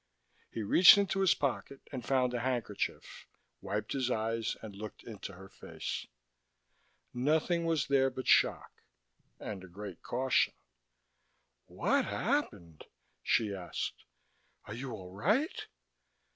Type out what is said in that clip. He reached into his pocket and found a handkerchief, wiped his eyes and looked into her face. Nothing was there but shock, and a great caution. "What happened?" she asked. "Are you all right?"